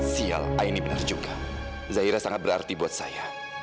sial aini benar juga zahira sangat berarti buat saya